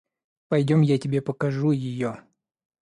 Пойдем, я тебе покажу ее.